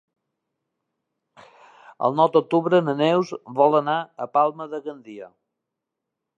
El nou d'octubre na Neus vol anar a Palma de Gandia.